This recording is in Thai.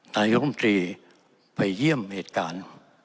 นายกรมตรีไปเยี่ยมเหตุการณ์